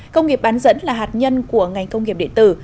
công nghiệp bán dẫn là hạt nhân của ngành công nghiệp điện tử